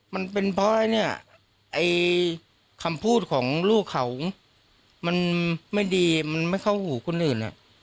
มันเป็นเพราะอะไรเนี่ยไอ้คำพูดของลูกเขามันไม่ดีมันไม่เข้าหูคนอื่น